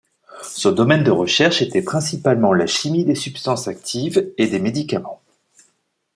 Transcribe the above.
Son domaine de recherche était principalement la chimie des substances actives et des médicaments.